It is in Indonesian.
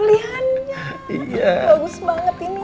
gw yakin lab an mas